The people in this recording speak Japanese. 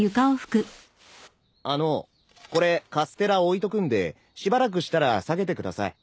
あのこれカステラ置いとくんでしばらくしたら下げてください。